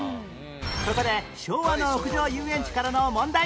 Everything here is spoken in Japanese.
ここで昭和の屋上遊園地からの問題